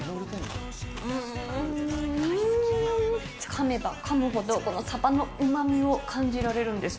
かめばかむほど、このサバのうまみを感じられるんです。